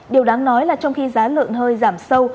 điều đáng nói là trong khi giá lợn hơi giảm sâu